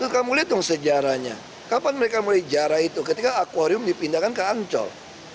kamu lihat dong sejarahnya kapan mereka mulai jarah itu ketika akwarium dipindahkan ke ancol